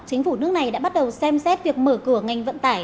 chính phủ nước này đã bắt đầu xem xét việc mở cửa ngành vận tải